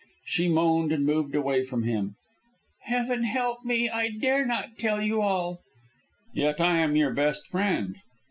She moaned and moved away from him. "Heaven help me, I dare not tell you all." "Yet I am your best friend."